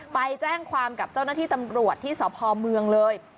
ไปแจ้งความกับเจ้าหน้าที่ตำรวจที่สพเมืองเลย